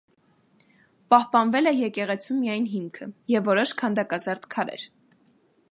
Պահպանվել է եկեղեցու միայն հիմքը և որոշ քանդակազարդ քարեր։